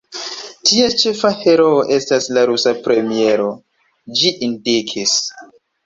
Ties ĉefa heroo estas la rusa premiero," ĝi indikis.